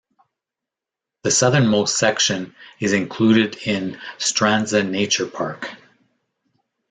The southernmost section is included in Strandzha Nature Park.